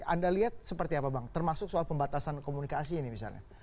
anda lihat seperti apa bang termasuk soal pembatasan komunikasi ini misalnya